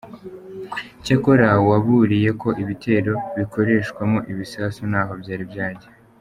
Cyakora waburiye ko ibitero bikoreshwamo ibisasu ntaho byari byajya.